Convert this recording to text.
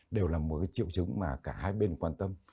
đều là một triệu chứng mà cả hai bên quan tâm